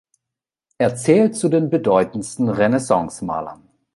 Er zählt zu den bedeutendsten Renaissance-Malern.